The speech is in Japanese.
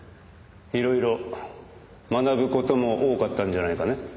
いろいろ学ぶ事も多かったんじゃないかね？